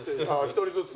一人ずつ？